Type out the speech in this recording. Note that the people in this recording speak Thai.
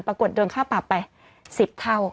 ปรากฏโดนค่าปรับไป๑๐เท่า